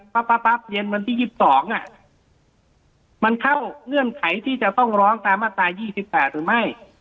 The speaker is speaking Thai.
ปั๊บเย็นวันที่๒๒มันเข้าเงื่อนไขที่จะต้องร้องตามมาตราย๒๘หรือไม่